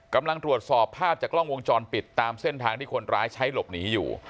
กำลังตรวจสอบภาพจากกล้องวงจรปิดตามเส้นทางที่คนร้ายใช้หลบหนีอยู่